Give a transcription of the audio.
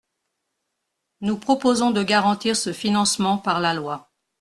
Nous proposons de garantir ce financement par la loi.